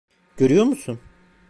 Görüyor musun?